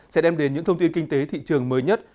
sẽ đem đến những thông tin kinh tế thị trường mới nhất